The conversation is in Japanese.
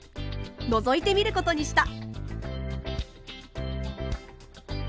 のぞいてみることにした。